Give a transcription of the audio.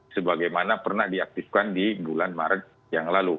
sebagaimana pernah diaktifkan di bulan maret yang lalu